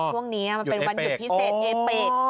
มันเป็นวันอยู่พิเศษเอเบอร์ท